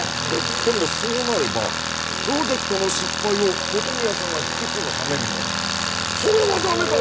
でもそうなればプロジェクトの失敗を本宮さんが引き継ぐはめになるそれはダメだろ！